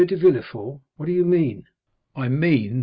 de Villefort!—What do you mean?" "I mean that M.